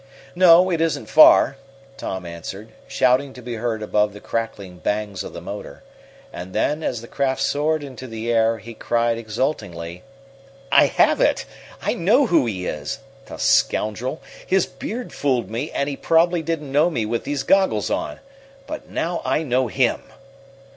"No, it isn't far," Tom answered, shouting to be heard above the crackling bangs of the motor. And then, as the craft soared into the air, he cried exultingly: "I have it! I know who he is! The scoundrel! His beard fooled me, and he probably didn't know me with these goggles on. But now I know him!"